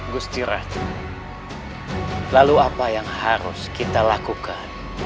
gusti ratu lalu apa yang harus kita lakukan